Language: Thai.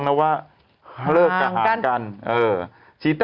ดากล่าวจริง